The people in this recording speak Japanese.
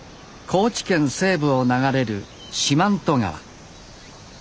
高知県西部を流れる四万十川。